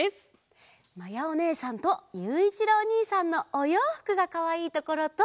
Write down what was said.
まやおねえさんとゆういちろうおにいさんのおようふくがかわいいところと。